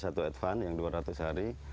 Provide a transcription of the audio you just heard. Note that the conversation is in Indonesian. satu advance yang dua ratus hari